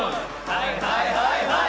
はいはいはいはい。